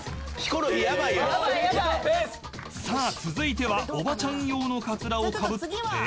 ［さあ続いてはおばちゃん用のカツラをかぶって］